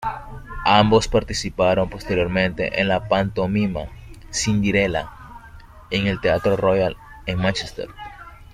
Ambos participaron posteriormente en la pantomima "Cinderella", en el Teatro Royal, en Mánchester.